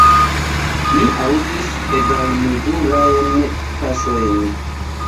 Mi aŭdis egalmezurajn paŝojn.